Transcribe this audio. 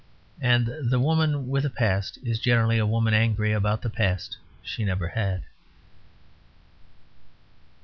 And the woman with a past is generally a woman angry about the past she never had.